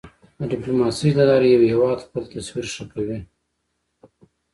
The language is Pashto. د ډیپلوماسی له لارې یو هېواد خپل تصویر ښه کوی.